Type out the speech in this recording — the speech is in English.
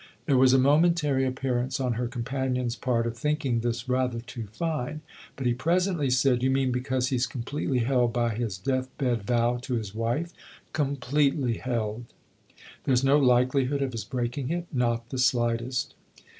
There was a momentary appearance on her com panion's part of thinking this rather too fine ; but he presently said :" You mean because he's completely held by his death bed vow to his wife ?"" Completely held." " There's no likelihood of his breaking it ?"" Not the slightest."